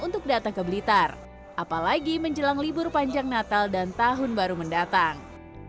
untuk datang ke blitar apalagi menjelang libur panjang natal dan tahun baru mendatang